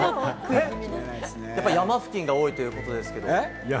山付近が多いということですけれども。